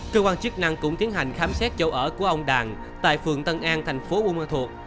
cơ quan chức năng cũng tiến hành khám xét chỗ ở của ông đàn tại phường tân an thành phố buôn ma thuột